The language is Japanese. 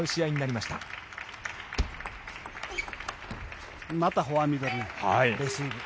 またフォアミドルにレシーブ。